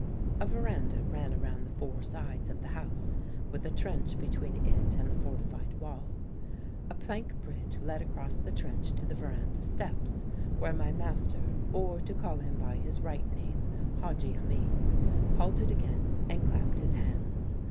"A verandah ran around the four sides of the house, with a trench between it and the fortified wall. A plank bridge led across the trench to the verandah steps, where my master or, to call him by his right name, Hadji Hamid halted again and clapped his hands.